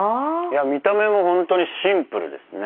見た目もほんとにシンプルですね。